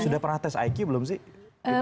sudah pernah tes iq belum sih